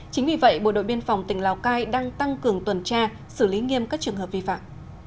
chính vì vậy bộ đội biên phòng tỉnh lào cai đang tăng cường tuần tra xử lý nghiêm các trường hợp vi phạm